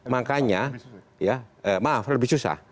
makanya maaf lebih susah